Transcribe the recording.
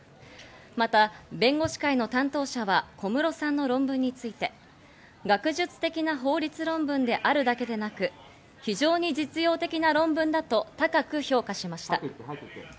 また弁護士会の担当者は小室さんの論文について、学術的な法律論文であるだけでなく、非常に実用的な論文だと高く評価しました。